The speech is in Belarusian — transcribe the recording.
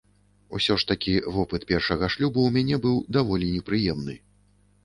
Усё ж такі вопыт першага шлюбу ў мяне быў даволі непрыемны.